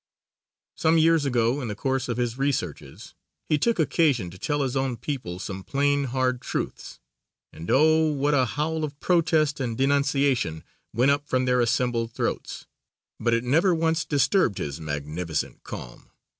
Some years ago in the course of his researches, he took occasion to tell his own people some plain hard truths, and oh, what a howl of protest and denunciation went up from their assembled throats, but it never once disturbed his magnificent calm.